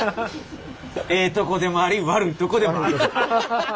ええとこでもあり悪いとこでもある。